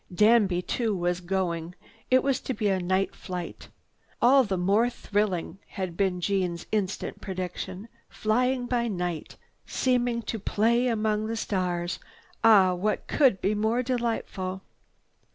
Danby too was going. It was to be a night flight. "All the more thrilling!" had been Jeanne's instant prediction. "Flying by night! Seeming to play among the stars! Ah, what could be more delightful!"